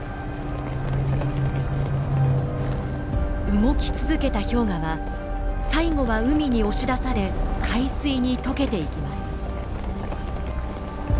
動き続けた氷河は最後は海に押し出され海水にとけていきます。